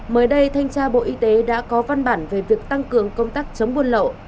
mới đây thanh tra bộ y tế đã có văn bản về việc tăng cường công tác chống buôn lậu